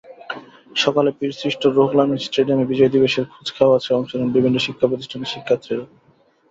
সকালে বীরশ্রেষ্ঠ রুহুল আমিন স্টেডিয়ামে বিজয় দিবসের কুচকাওয়াজে অংশ নেন বিভিন্ন শিক্ষাপ্রতিষ্ঠানের শিক্ষার্থীরা।